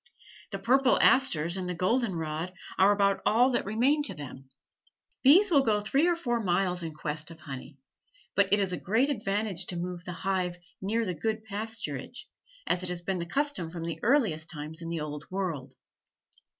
The purple asters and the golden rod are about all that remain to them. Bees will go three or four miles in quest of honey, but it is a great advantage to move the hive near the good pasturage, as has been the custom from the earliest times in the Old World.